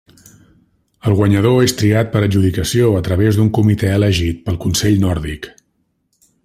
El guanyador és triat per adjudicació a través d'un comitè elegit pel Consell Nòrdic.